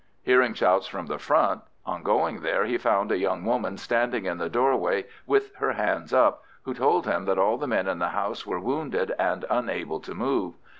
Hearing shouts from the front, on going there he found a young woman standing in the doorway with her hands up, who told him that all the men in the house were wounded and unable to move.